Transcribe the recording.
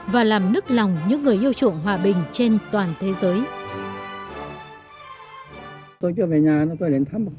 và làm nức lòng những người yêu chuộng hòa bình trên toàn thế giới